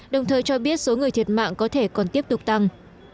đồng thời cho biết số người thiệt mạng có thể còn tiếp tục tăng